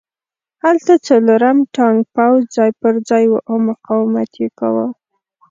هلته څلورم ټانک پوځ ځای پرځای و او مقاومت یې کاوه